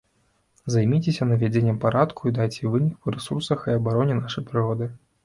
Займіцеся навядзеннем парадку і дайце вынік па рэсурсах і абароне нашай прыроды.